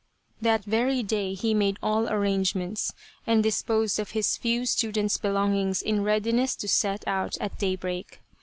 That very day he made all arrangements, and dis posed of his few student's belongings in readiness to set out at daybreak.